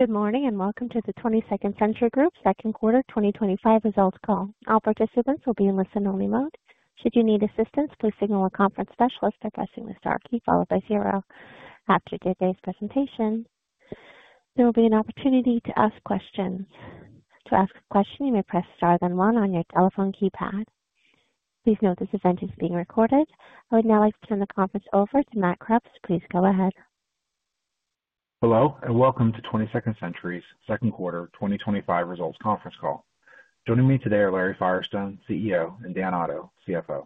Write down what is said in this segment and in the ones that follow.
Good morning and welcome to the 22nd Century Group's Second Quarter 2025 Results Call. All participants will be in listen-only mode. Should you need assistance, please signal a conference specialist by pressing the star key followed by zero. After today's presentation, there will be an opportunity to ask questions. To ask a question, you may press star then one on your telephone keypad. Please note this event is being recorded. I would now like to turn the conference over to Matt Kreps. Please go ahead. Hello and welcome to 22nd Century's Second Quarter 2025 Results Conference Call. Joining me today are Larry Firestone, CEO, and Dan Otto, CFO.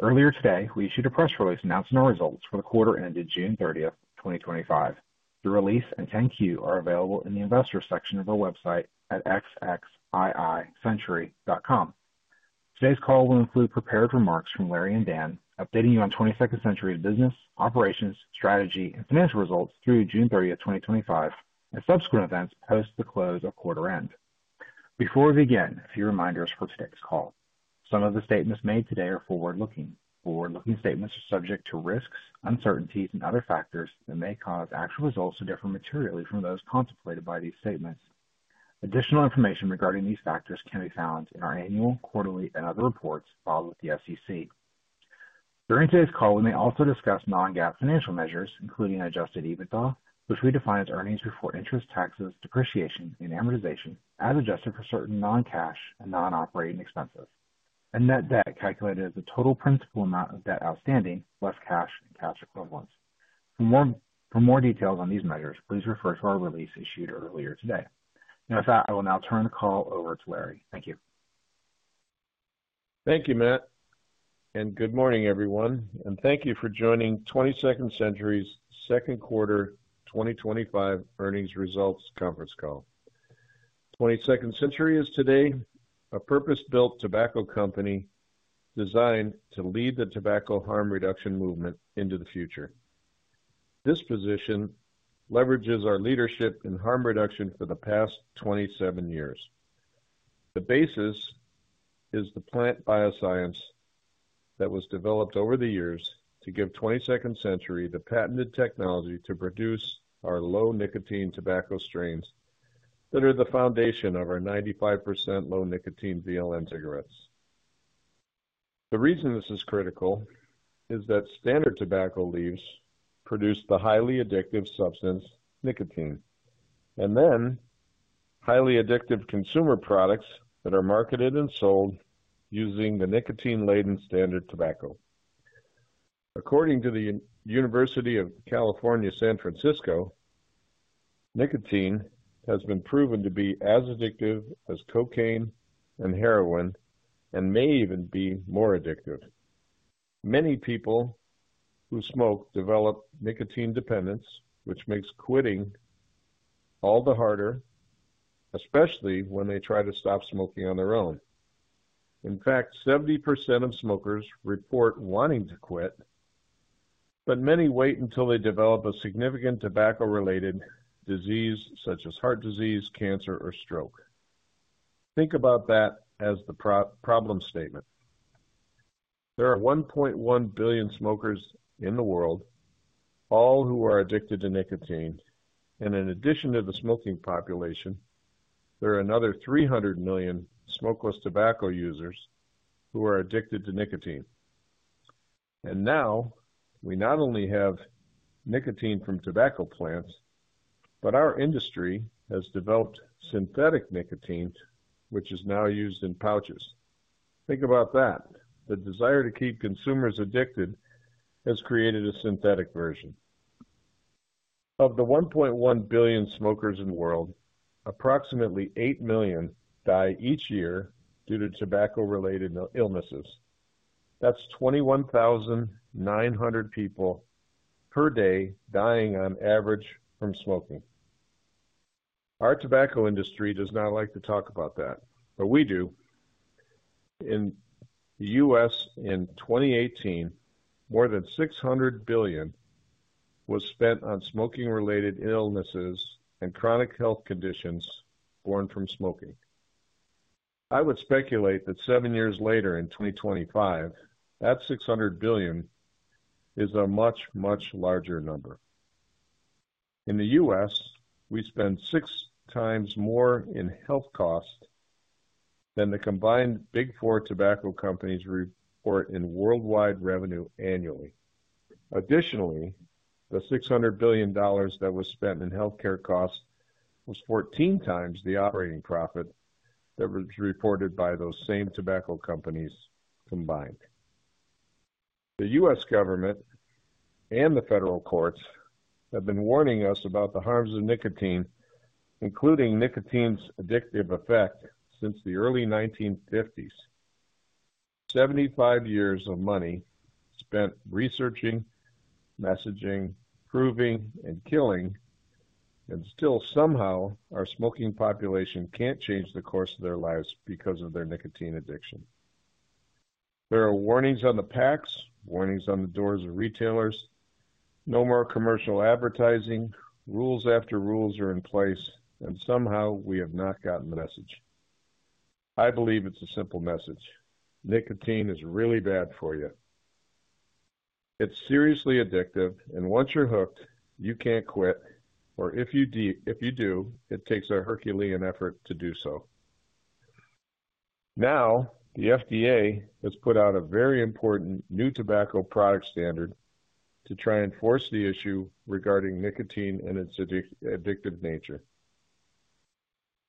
Earlier today, we issued a press release announcing our results for the quarter ended June 30, 2025. The release and 10-Q are available in the investors section of the website at xxiicentury.com. Today's call will include prepared remarks from Larry and Dan, updating you on 22nd Century Group's business, operations, strategy, and financial results through June 30, 2025, and subsequent events post the close of quarter end. Before we begin, a few reminders for today's call. Some of the statements made today are forward-looking. Forward-looking statements are subject to risks, uncertainties, and other factors that may cause actual results to differ materially from those contemplated by these statements. Additional information regarding these factors can be found in our annual, quarterly, and other reports filed with the SEC. During today's call, we may also discuss non-GAAP financial measures, including adjusted EBITDA, which we define as earnings before interest, taxes, depreciation, and amortization, as adjusted for certain non-cash and non-operating expenses, and net debt calculated as the total principal amount of debt outstanding, less cash and cash equivalents. For more details on these measures, please refer to our release issued earlier today. Now with that, I will now turn the call over to Larry. Thank you. Thank you, Matt, and good morning everyone, and thank you for joining 22nd Century's Second Quarter 2025 Earnings Results Conference Call. 22nd Century is today a purpose-built tobacco company designed to lead the tobacco harm reduction movement into the future. This position leverages our leadership in harm reduction for the past 27 years. The basis is the plant bioscience that was developed over the years to give 22nd Century the patented technology to produce our low-nicotine tobacco strains that are the foundation of our 95% low-nicotine VLN cigarettes. The reason this is critical is that standard tobacco leaves produce the highly addictive substance nicotine, and then highly addictive consumer products that are marketed and sold using the nicotine-laden standard tobacco. According to the University of California, San Francisco, nicotine has been proven to be as addictive as cocaine and heroin, and may even be more addictive. Many people who smoke develop nicotine dependence, which makes quitting all the harder, especially when they try to stop smoking on their own. In fact, 70% of smokers report wanting to quit, but many wait until they develop a significant tobacco-related disease such as heart disease, cancer, or stroke. Think about that as the problem statement. There are 1.1 billion smokers in the world, all who are addicted to nicotine, and in addition to the smoking population, there are another 300 million smokeless tobacco users who are addicted to nicotine. Now we not only have nicotine from tobacco plants, but our industry has developed synthetic nicotine, which is now used in pouches. Think about that. The desire to keep consumers addicted has created a synthetic version. Of the 1.1 billion smokers in the world, approximately 8 million die each year due to tobacco-related illnesses. That's 21,900 people per day dying on average from smoking. Our tobacco industry does not like to talk about that, but we do. In the U.S., in 2018, more than $600 billion was spent on smoking-related illnesses and chronic health conditions born from smoking. I would speculate that seven years later, in 2025, that $600 billion is a much, much larger number. In the U.S., we spend six times more in health costs than the combined Big Four tobacco companies report in worldwide revenue annually. Additionally, the $600 billion that was spent in healthcare costs was 14 times the operating profit that was reported by those same tobacco companies combined. The U.S. government and the federal courts have been warning us about the harms of nicotine, including nicotine's addictive effect, since the early 1950s. 75 years of money spent researching, messaging, proving, and killing, and still somehow our smoking population can't change the course of their lives because of their nicotine addiction. There are warnings on the packs, warnings on the doors of retailers, no more commercial advertising, rules after rules are in place, and somehow we have not gotten the message. I believe it's a simple message. Nicotine is really bad for you. It's seriously addictive, and once you're hooked, you can't quit, or if you do, it takes a Herculean effort to do so. Now, the FDA has put out a very important new tobacco product standard to try and force the issue regarding nicotine and its addictive nature.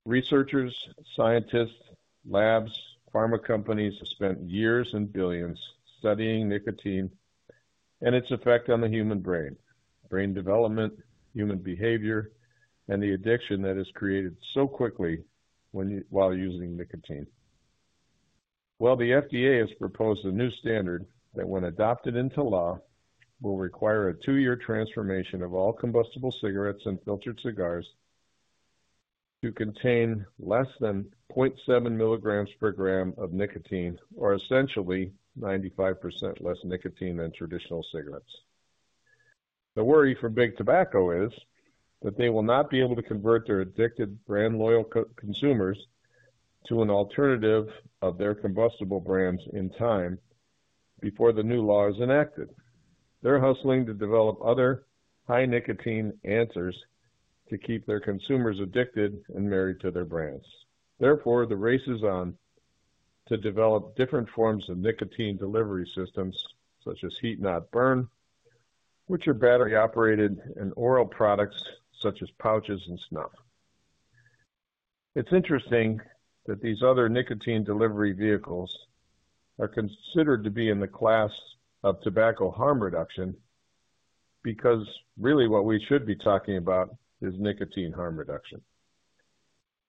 Researchers, scientists, labs, pharma companies have spent years and billions studying nicotine and its effect on the human brain, brain development, human behavior, and the addiction that is created so quickly while using nicotine. The FDA has proposed a new standard that, when adopted into law, will require a two-year transformation of all combustible cigarettes and filtered cigars to contain less than 0.7 milligrams per gram of nicotine, or essentially 95% less nicotine than traditional cigarettes. The worry for Big Tobacco is that they will not be able to convert their addicted brand-loyal consumers to an alternative of their combustible brands in time before the new law is enacted. They're hustling to develop other high-nicotine answers to keep their consumers addicted and married to their brands. Therefore, the race is on to develop different forms of nicotine delivery systems, such as heat-not-burn, which are battery-operated, and oral products such as pouches and snuff. It's interesting that these other nicotine delivery vehicles are considered to be in the class of tobacco harm reduction because really what we should be talking about is nicotine harm reduction.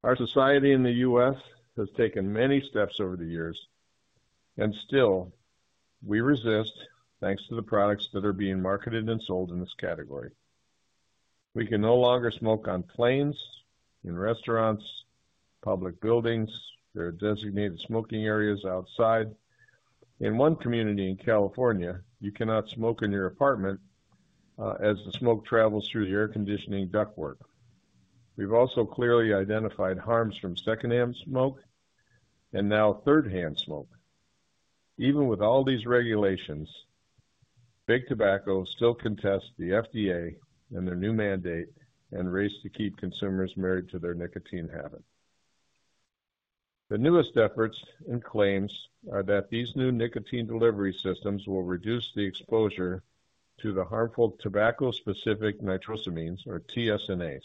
Our society in the U.S. has taken many steps over the years, and still we resist thanks to the products that are being marketed and sold in this category. We can no longer smoke on planes, in restaurants, public buildings, or designated smoking areas outside. In one community in California, you cannot smoke in your apartment, as the smoke travels through the air conditioning ductwork. We've also clearly identified harms from secondhand smoke and now third-hand smoke. Even with all these regulations, Big Tobacco still contests the FDA and their new mandate and race to keep consumers married to their nicotine habit. The newest efforts and claims are that these new nicotine delivery systems will reduce the exposure to the harmful tobacco-specific nitrosamines or TSNAs.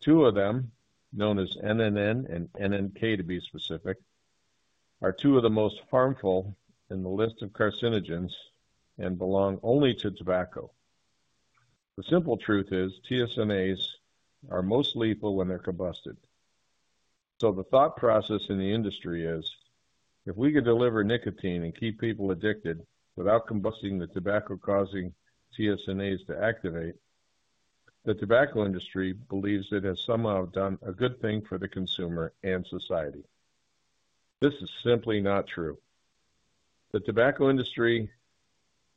Two of them, known as NNN and NNK to be specific, are two of the most harmful in the list of carcinogens and belong only to tobacco. The simple truth is TSNAs are most lethal when they're combusted. The thought process in the industry is if we could deliver nicotine and keep people addicted without combusting the tobacco causing TSNAs to activate, the tobacco industry believes it has somehow done a good thing for the consumer and society. This is simply not true. The tobacco industry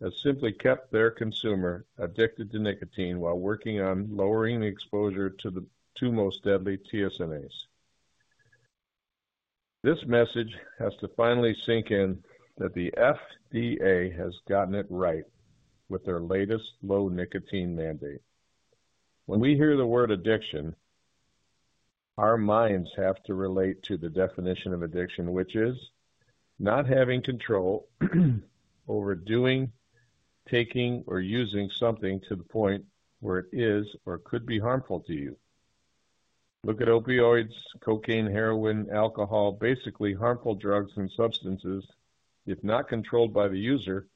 has simply kept their consumer addicted to nicotine while working on lowering the exposure to the two most deadly TSNAs. This message has to finally sink in that the FDA has gotten it right with their latest low-nicotine mandate. When we hear the word addiction, our minds have to relate to the definition of addiction, which is not having control over doing, taking, or using something to the point where it is or could be harmful to you. Look at opioids, cocaine, heroin, alcohol, basically harmful drugs and substances. If not controlled by the user,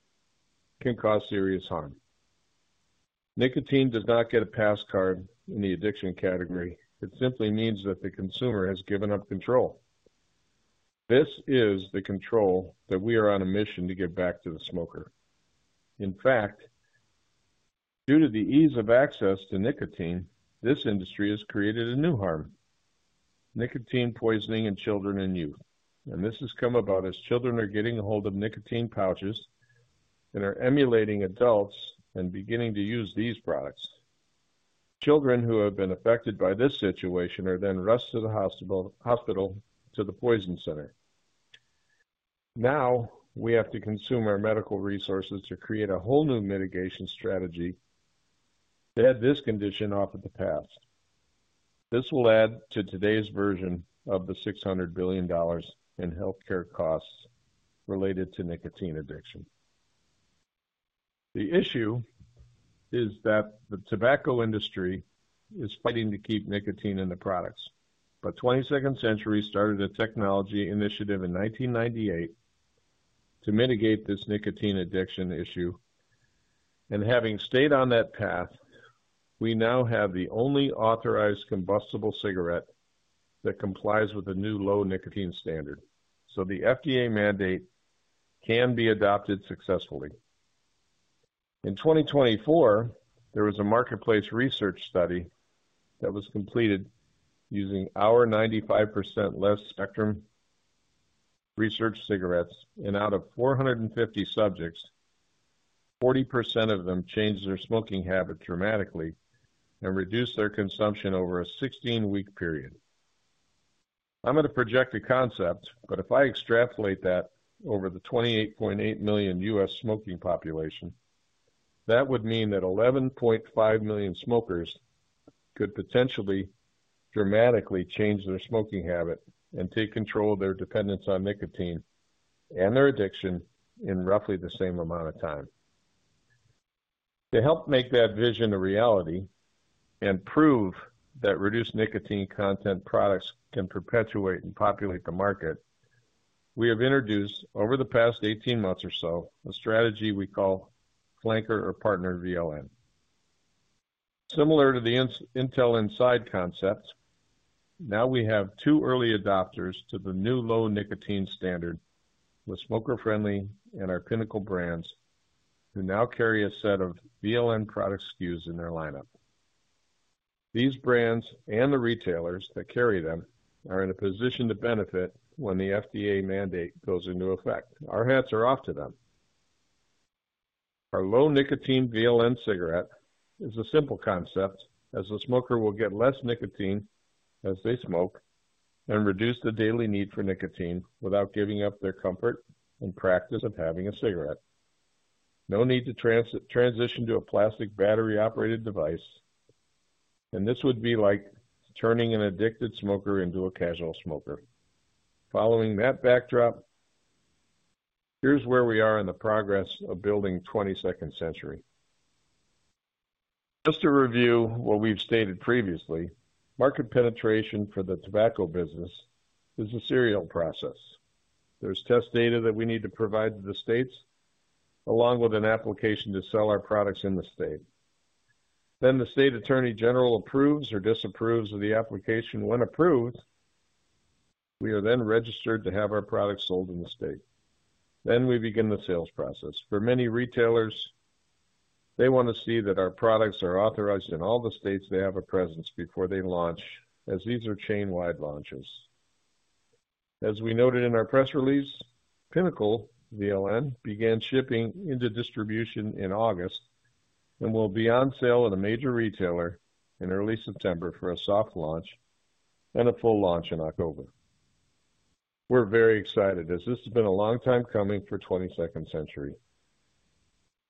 it can cause serious harm. Nicotine does not get a pass card in the addiction category. It simply means that the consumer has given up control. This is the control that we are on a mission to give back to the smoker. In fact, due to the ease of access to nicotine, this industry has created a new harm: nicotine poisoning in children and youth. This has come about as children are getting a hold of nicotine pouches and are emulating adults and beginning to use these products. Children who have been affected by this situation are then rushed to the hospital, to the poison center. Now we have to consume our medical resources to create a whole new mitigation strategy to add this condition off of the past. This will add to today's version of the $600 billion in healthcare costs related to nicotine addiction. The issue is that the tobacco industry is fighting to keep nicotine in the products. But, 22nd Century started a technology initiative in 1998 to mitigate this nicotine addiction issue. Having stayed on that path, we now have the only authorized combustible cigarette that complies with the new low-nicotine standard. The FDA mandate can be adopted successfully. In 2024, there was a marketplace research study that was completed using our 95% less spectrum research cigarettes. Out of 450 subjects, 40% of them changed their smoking habits dramatically and reduced their consumption over a 16-week period. I'm going to project a concept, but if I extrapolate that over the 28.8 million U.S. smoking population, that would mean that 11.5 million smokers could potentially dramatically change their smoking habit and take control of their dependence on nicotine and their addiction in roughly the same amount of time. To help make that vision a reality and prove that reduced nicotine content products can perpetuate and populate the market, we have introduced over the past 18 months or so a strategy we call Flanker or Partner VLN. Similar to the Intel Inside concept, now we have two early adopters to the new low-nicotine standard with Smoker Friendly and our clinical brands who now carry a set of VLN product SKUs in their lineup. These brands and the retailers that carry them are in a position to benefit when the FDA mandate goes into effect. Our hats are off to them. Our low-nicotine VLN cigarette is a simple concept as the smoker will get less nicotine as they smoke and reduce the daily need for nicotine without giving up their comfort and practice of having a cigarette. No need to transition to a plastic battery-operated device. This would be like turning an addicted smoker into a casual smoker. Following that backdrop, here's where we are in the progress of building 22nd Century. Just to review what we've stated previously, market penetration for the tobacco business is a serial process. There's test data that we need to provide to the states, along with an application to sell our products in the state. The state attorney general approves or disapproves of the application. When approved, we are then registered to have our products sold in the state. We begin the sales process. For many retailers, they want to see that our products are authorized in all the states they have a presence before they launch, as these are chain-wide launches. As we noted in our press release, Pinnacle VLN began shipping into distribution in August and will be on sale at a major retailer in early September for a soft launch and a full launch in October. We're very excited as this has been a long time coming for 22nd Century Group.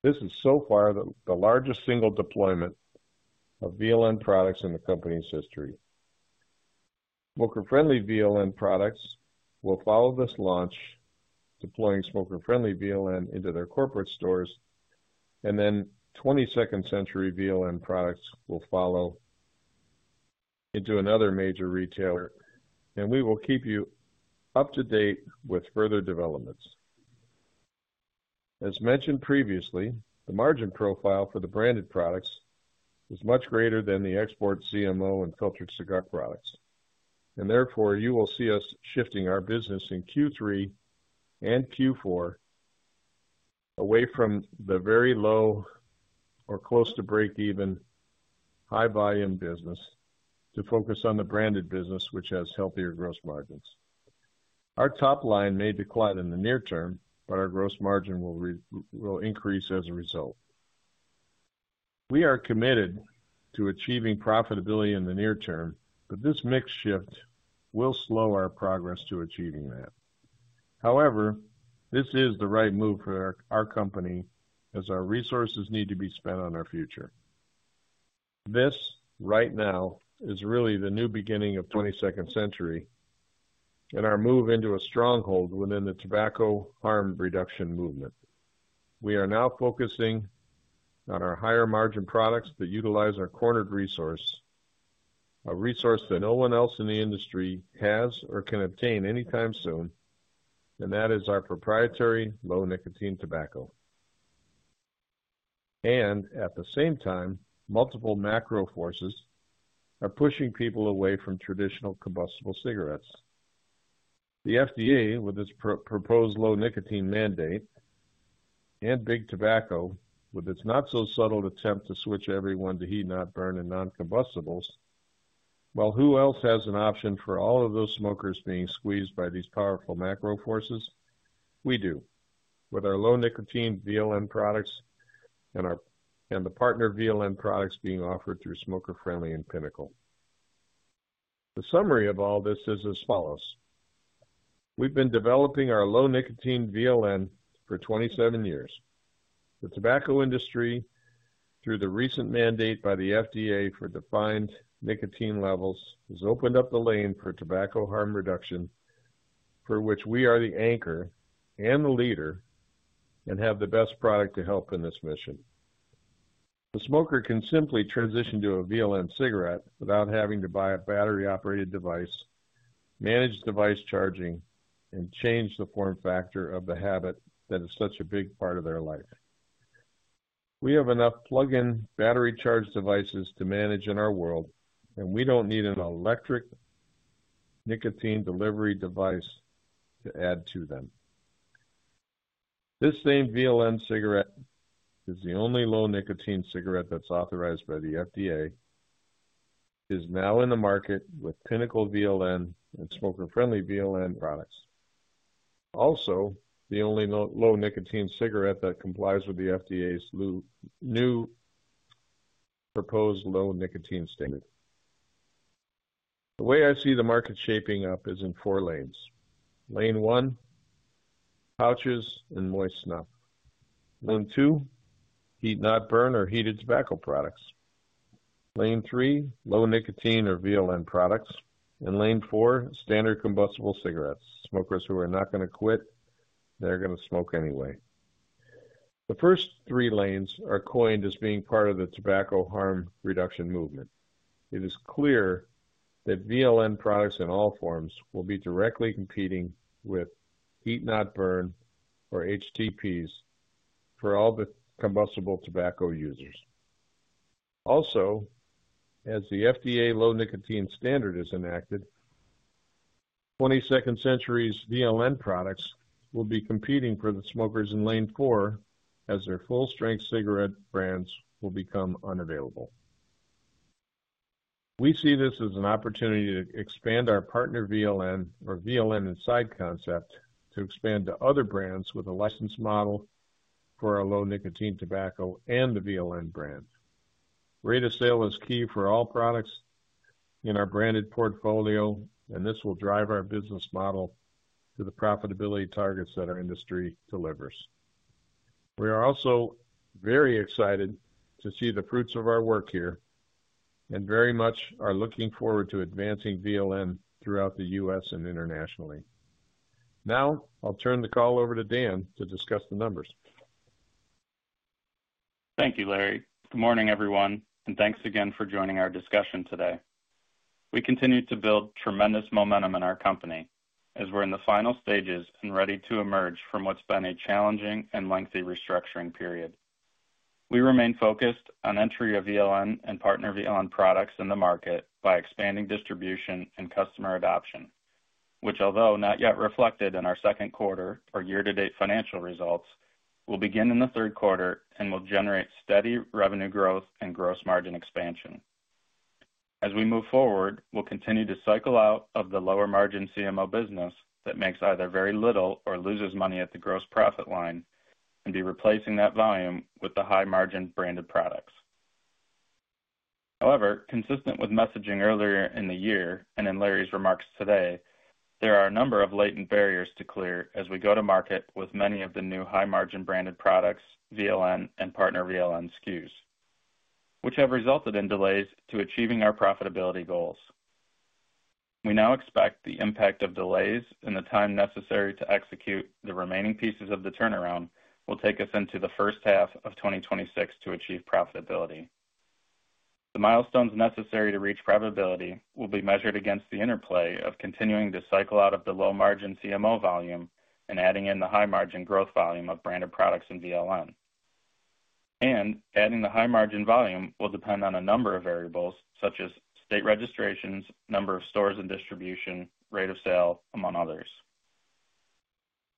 This is so far the largest single deployment of VLN products in the company's history. Smoker Friendly VLN products will follow this launch, deploying Smoker Friendly VLN into their corporate stores, and then 22nd Century Group VLN products will follow into another major retailer, and we will keep you up to date with further developments. As mentioned previously, the margin profile for the branded products is much greater than the export CMO and filtered cigar products. Therefore, you will see us shifting our business in Q3 and Q4 away from the very low or close to break-even high-volume business to focus on the branded business, which has healthier gross margins. Our top line may decline in the near term, but our gross margin will increase as a result. We are committed to achieving profitability in the near term, but this mix shift will slow our progress to achieving that. However, this is the right move for our company as our resources need to be spent on our future. This right now is really the new beginning of 22nd Century and our move into a stronghold within the tobacco harm reduction movement. We are now focusing on our higher margin products that utilize our cornered resource, a resource that no one else in the industry has or can obtain anytime soon, and that is our proprietary low-nicotine tobacco. At the same time, multiple macro forces are pushing people away from traditional combustible cigarettes. The FDA, with its proposed low-nicotine mandate, and Big Tobacco, with its not-so-subtle attempt to switch everyone to heat-not-burn and non-combustibles, who else has an option for all of those smokers being squeezed by these powerful macro forces? We do, with our low-nicotine VLN products and the Partner VLN products being offered through Smoker Friendly and Pinnacle. The summary of all this is as follows: we've been developing our low-nicotine VLN for 27 years. The tobacco industry, through the recent mandate by the FDA for defined nicotine levels, has opened up the lane for tobacco harm reduction, for which we are the anchor and the leader and have the best product to help in this mission. The smoker can simply transition to a VLN cigarette without having to buy a battery-operated device, manage device charging, and change the form factor of the habit that is such a big part of their life. We have enough plug-in battery-charged devices to manage in our world, and we don't need an electric nicotine delivery device to add to them. This same VLN cigarette is the only low-nicotine cigarette that's authorized by the FDA, is now in the market with Pinnacle VLN and Smoker Friendly VLN products. Also, the only low-nicotine cigarette that complies with the FDA's new proposed low-nicotine standard. The way I see the market shaping up is in four lanes. Lane one, pouches and moist snuff. Lane two, heat-not-burn or heated tobacco products. Lane three, low-nicotine or VLN products. Lane four, standard combustible cigarettes. Smokers who are not going to quit, they're going to smoke anyway. The first three lanes are coined as being part of the tobacco harm reduction movement. It is clear that VLN products in all forms will be directly competing with heat-not-burn or HTPs for all the combustible tobacco users. Also, as the FDA low-nicotine standard is enacted, 22nd Century's VLN products will be competing for the smokers in lane four as their full-strength cigarette brands will become unavailable. We see this as an opportunity to expand our Partner VLN or VLN Inside concept to expand to other brands with a licensed model for our low-nicotine tobacco and the VLN brand. Rate of sale is key for all products in our branded portfolio, and this will drive our business model to the profitability targets that our industry delivers. We are also very excited to see the fruits of our work here and very much are looking forward to advancing VLN throughout the U.S. and internationally. Now I'll turn the call over to Dan to discuss the numbers. Thank you, Larry. Good morning, everyone, and thanks again for joining our discussion today. We continue to build tremendous momentum in our company as we're in the final stages and ready to emerge from what's been a challenging and lengthy restructuring period. We remain focused on entry of VLN and Partner VLN products in the market by expanding distribution and customer adoption, which, although not yet reflected in our second quarter or year-to-date financial results, will begin in the third quarter and will generate steady revenue growth and gross margin expansion. As we move forward, we'll continue to cycle out of the lower margin CMO business that makes either very little or loses money at the gross profit line and be replacing that volume with the high margin branded products. However, consistent with messaging earlier in the year and in Larry's remarks today, there are a number of latent barriers to clear as we go to market with many of the new high margin branded products, VLN and Partner VLN SKUs, which have resulted in delays to achieving our profitability goals. We now expect the impact of delays and the time necessary to execute the remaining pieces of the turnaround will take us into the first half of 2026 to achieve profitability. The milestones necessary to reach profitability will be measured against the interplay of continuing to cycle out of the low margin CMO volume and adding in the high margin growth volume of branded products and VLN. Adding the high margin volume will depend on a number of variables such as state registrations, number of stores in distribution, rate of sale, among others.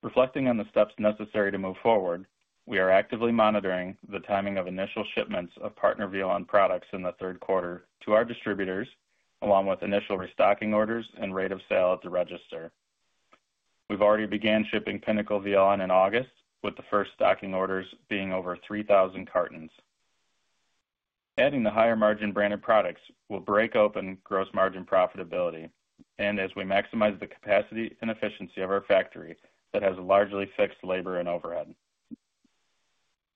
Reflecting on the steps necessary to move forward, we are actively monitoring the timing of initial shipments of Partner VLN products in the third quarter to our distributors, along with initial restocking orders and rate of sale at the register. We've already begun shipping Pinnacle VLN in August, with the first stocking orders being over 3,000 cartons. Adding the higher margin branded products will break open gross margin profitability as we maximize the capacity and efficiency of our factory that has largely fixed labor and overhead.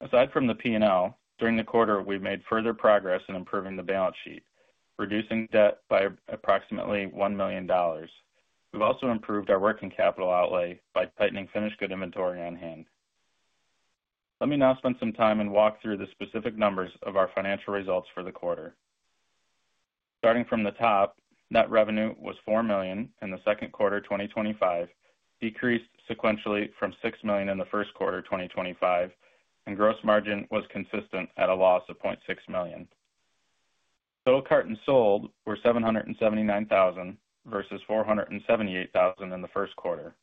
Aside from the P&L, during the quarter, we've made further progress in improving the balance sheet, reducing debt by approximately $1 million. We've also improved our working capital outlay by tightening finished good inventory on hand. Let me now spend some time and walk through the specific numbers of our financial results for the quarter. Starting from the top, net revenue was $4 million in the second quarter of 2025, decreased sequentially from $6 million in the first quarter of 2025, and gross margin was consistent at a loss of $0.6 million. Total cartons sold were 779,000 versus 478,000 in the first quarter.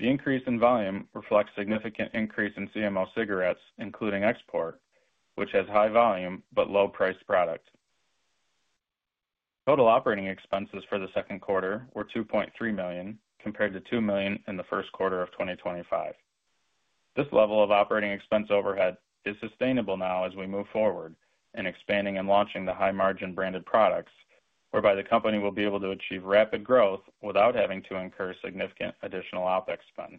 The increase in volume reflects a significant increase in CMO cigarettes, including export, which has high volume but low priced product. Total operating expenses for the second quarter were $2.3 million compared to $2 million in the first quarter of 2025. This level of operating expense overhead is sustainable now as we move forward in expanding and launching the high margin branded products, whereby the company will be able to achieve rapid growth without having to incur significant additional OpEx spend.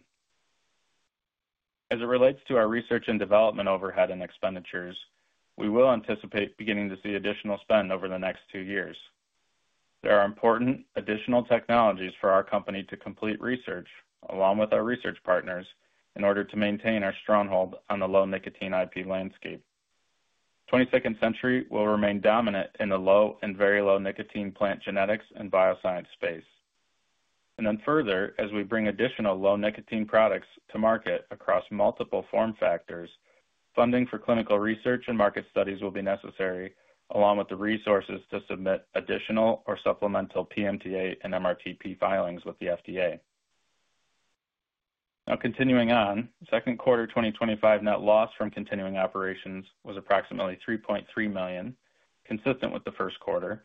As it relates to our research and development overhead and expenditures, we will anticipate beginning to see additional spend over the next two years. There are important additional technologies for our company to complete research, along with our research partners, in order to maintain our stronghold on the low-nicotine IP landscape. 22nd Century will remain dominant in the low and very low-nicotine plant genetics and bioscience space. Further, as we bring additional low-nicotine products to market across multiple form factors, funding for clinical research and market studies will be necessary, along with the resources to submit additional or supplemental PMTA and MRTP filings with the FDA. Now, continuing on, second quarter 2025 net loss from continuing operations was approximately $3.3 million, consistent with the first quarter,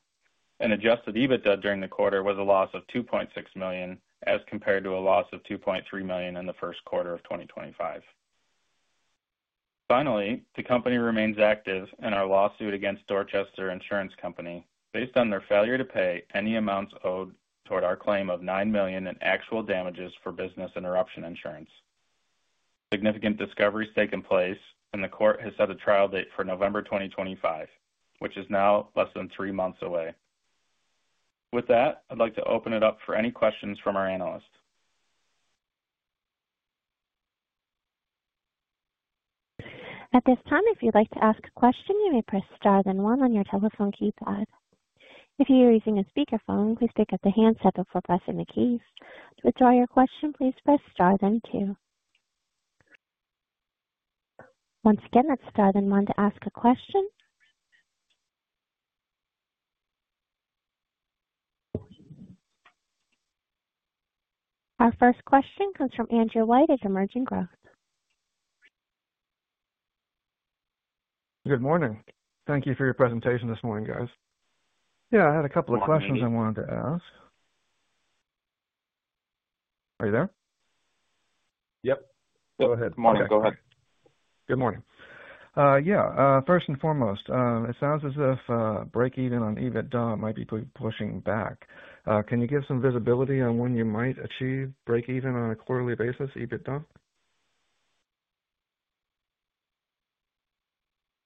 and adjusted EBITDA during the quarter was a loss of $2.6 million as compared to a loss of $2.3 million in the first quarter of 2025. Finally, the company remains active in our lawsuit against Dorchester Insurance Company based on their failure to pay any amounts owed toward our claim of $9 million in actual damages for business interruption insurance. Significant discoveries have taken place, and the court has set a trial date for November 2025, which is now less than three months away. With that, I'd like to open it up for any questions from our analysts. At this time, if you'd like to ask a question, you may press star then one on your telephone keypad. If you are using a speakerphone, please pick up the handset before pressing the keys. To withdraw your question, please press star then two. Once again, that's star then one to ask a question. Our first question comes from Andrew White of Emerging Growth. Good morning. Thank you for your presentation this morning, guys. I had a couple of questions I wanted to ask. Are you there? Yep, go ahead. Morning. Go ahead. Good morning. First and foremost, it sounds as if break-even on EBITDA might be pushing back. Can you give some visibility on when you might achieve break-even on a quarterly basis EBITDA?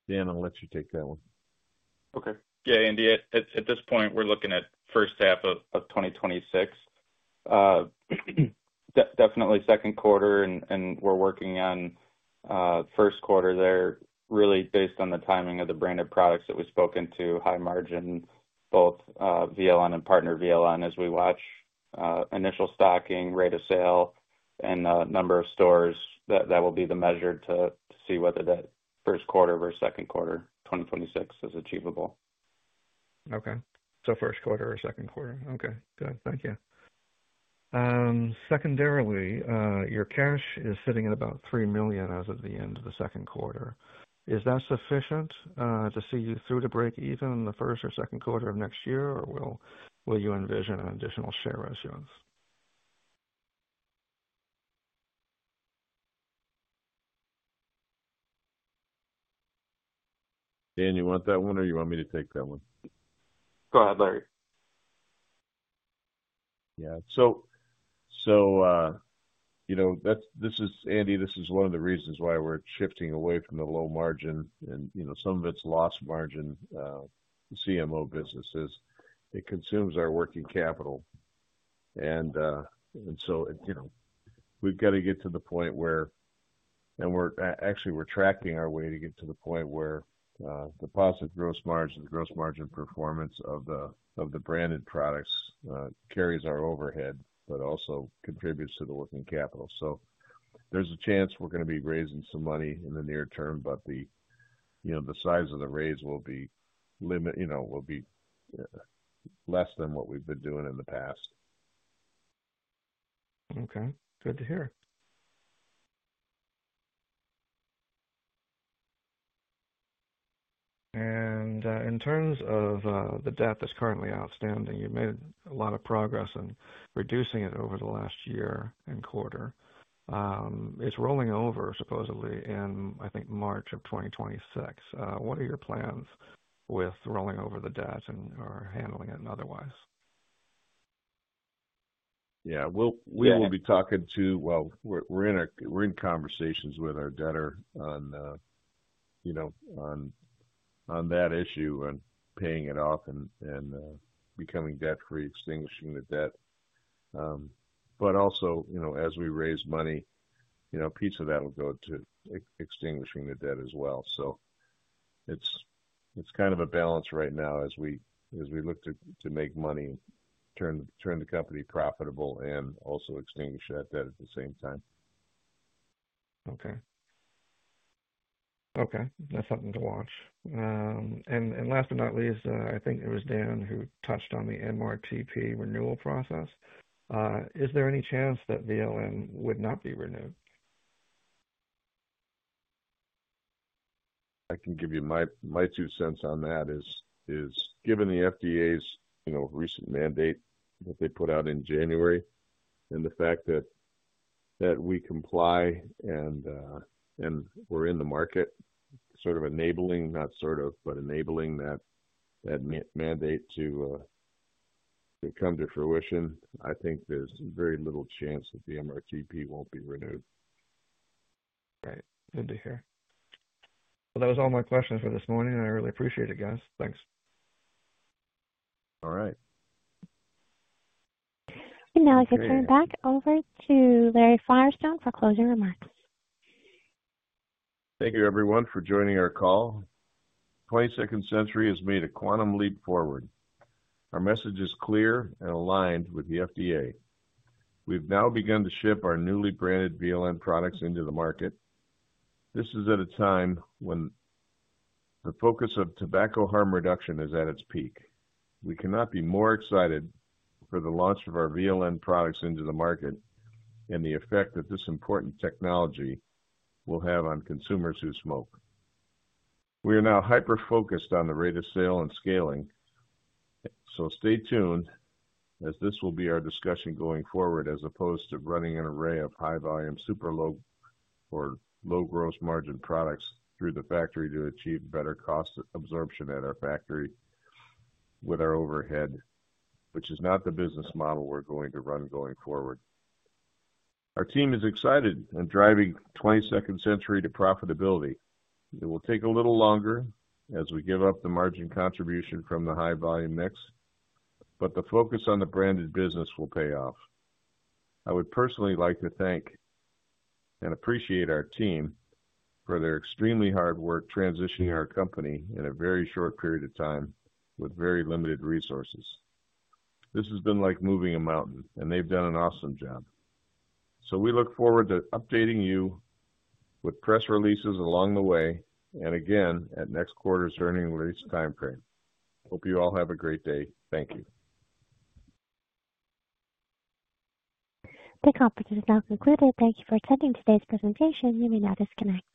Dan, I'll let you take that one. Okay. Yeah, Andy, at this point, we're looking at the first half of 2026. Definitely second quarter, and we're working on the first quarter there, really based on the timing of the branded products that we've spoken to, high margin, both VLN and Partner VLN, as we watch initial stocking, rate of sale, and the number of stores. That will be the measure to see whether that first quarter versus second quarter 2026 is achievable. Okay. First quarter or second quarter. Okay. Good. Thank you. Secondarily, your cash is sitting at about $3 million as of the end of the second quarter. Is that sufficient to see you through to break even in the first or second quarter of next year, or will you envision an additional share as yours? Dan, you want that one, or do you want me to take that one? Go ahead, Larry. Yeah. So this, Andy, this is one of the reasons why we're shifting away from the low margin, and some of its lost margin, the CMO businesses. It consumes our working capital. We've got to get to the point where, and we're actually, we're tracking our way to get to the point where the positive gross margin, the gross margin performance of the branded products, carries our overhead but also contributes to the working capital. There's a chance we're going to be raising some money in the near term, but the size of the raise will be less than what we've been doing in the past. Okay. Good to hear. And in terms of the debt that's currently outstanding, you've made a lot of progress in reducing it over the last year and quarter. It's rolling over supposedly in, I think, March of 2026. What are your plans with rolling over the debt and/or handling it and otherwise? Yeah, we're in conversations with our debtor on that issue and paying it off, and becoming debt-free, extinguishing the debt. Also, as we raise money, a piece of that will go to extinguishing the debt as well. It's kind of a balance right now as we look to make money, turn the company profitable, and also extinguish that debt at the same time. Okay. That's something to watch. Last but not least, I think it was Dan who touched on the MRTP renewal process. Is there any chance that VLN would not be renewed? I can give you my $0.2 on that. Given the FDA's recent mandate that they put out in January and the fact that we comply and we're in the market enabling that mandate to come to fruition, I think there's very little chance that the MRTP won't be renewed. Right. Good to hear. That was all my questions for this morning. I really appreciate it, guys. Thanks. All right. I can turn back over to Larry Firestone for closing remarks. Thank you, everyone, for joining our call. 22nd Century has made a quantum leap forward. Our message is clear and aligned with the FDA. We've now begun to ship our newly branded VLN products into the market. This is at a time when the focus of tobacco harm reduction is at its peak. We cannot be more excited for the launch of our VLN products into the market and the effect that this important technology will have on consumers who smoke. We are now hyper-focused on the rate of sale and scaling. Stay tuned as this will be our discussion going forward as opposed to running an array of high-volume super low or low gross margin products through the factory to achieve better cost absorption at our factory with our overhead, which is not the business model we're going to run going forward. Our team is excited and driving 22nd Century to profitability. It will take a little longer as we give up the margin contribution from the high-volume mix, but the focus on the branded business will pay off. I would personally like to thank and appreciate our team for their extremely hard work transitioning our company in a very short period of time with very limited resources. This has been like moving a mountain, and they've done an awesome job. We look forward to updating you with press releases along the way and again at next quarter's earning release timeframe. Hope you all have a great day. Thank you. The conference is now concluded. Thank you for attending today's presentation. You may now disconnect.